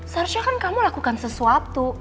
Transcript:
seharusnya kamu lakukan sesuatu